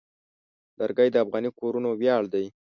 لرګی د افغاني کورنو ویاړ دی.